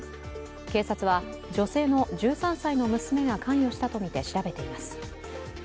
警察は女性の１３歳の娘が関与したとみて調べています。